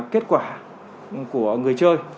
kết quả của người chơi